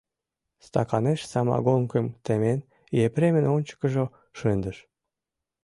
Стаканеш самогонкым темен, Епремын ончыкыжо шындыш.